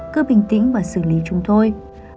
cứ bình tĩnh và xử lý chúng thôi